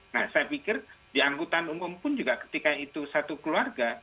nah saya pikir di angkutan umum pun juga ketika itu satu keluarga